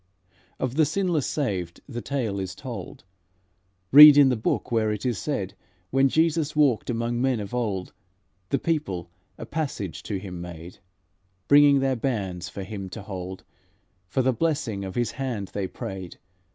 "Of the sinless saved the tale is told, Read in the Book where it is said: When Jesus walked, among men of old, The people a passage to Him made; Bringing their bairns for Him to hold, For the blessing of His hand they prayed.